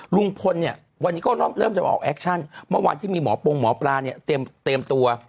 ลุงพลเนี่ยวันนี้ก็เริ่มจะออกแอคชั่นเมื่อวานที่มีหมอโปรงหมอปลาเนี่ยเตรียมตัว